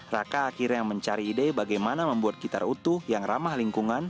raka akhirnya mencari ide bagaimana membuat gitar utuh yang ramah lingkungan